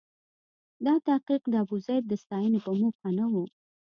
دا تحقیق د ابوزید د ستاینې په موخه نه و.